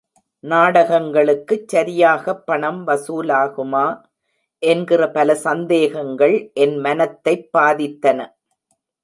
நாடகங்களுக்குச் சரியாகப் பணம் வசூலாகுமா? என்கிற பல சந்தேகங்கள் என் மனத்தைப் பாதித்தன.